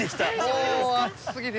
もう暑すぎて。